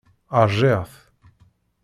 Ṛjiɣ-t.